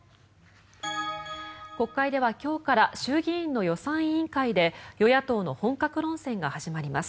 国会では今日から衆議院の予算委員会で与野党の本格論戦が始まります。